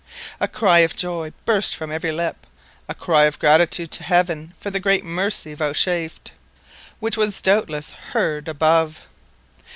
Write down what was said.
A cry of joy burst from every lip, a cry of gratitude to Heaven for the great mercy vouchsafed, which was doubtless heard above.